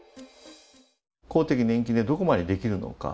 公的年金でどこまでできるのか。